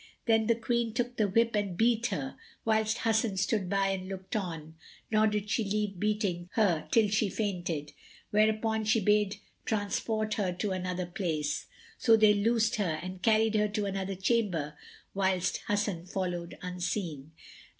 Then the Quee took the whip and beat her, whilst Hasan stood by and looked on, nor did she leave beating her till she fainted; whereupon she bade transport her to another place. So they loosed her and carried her to another chamber whilst Hasan followed unseen.